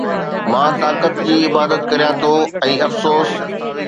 مان طاقت جي عبادت ڪريان ٿو ۽ افسوس